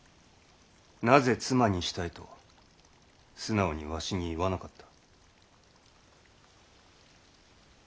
なぜ妻にしたいと素直にわしに言わなかった？